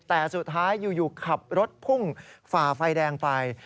แต่สุดท้ายอยู่ขับรถพุ่งฝ่าไฟแดงไป